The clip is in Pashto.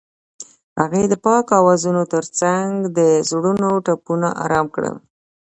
هغې د پاک اوازونو ترڅنګ د زړونو ټپونه آرام کړل.